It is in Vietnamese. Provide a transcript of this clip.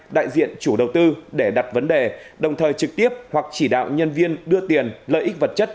đại diện chủ đầu tư để đặt vấn đề đồng thời trực tiếp hoặc chỉ đạo nhân viên đưa tiền lợi ích vật chất